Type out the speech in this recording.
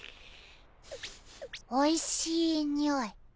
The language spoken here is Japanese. おいしいにおい。